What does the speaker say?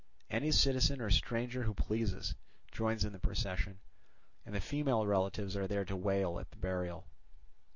Any citizen or stranger who pleases, joins in the procession: and the female relatives are there to wail at the burial.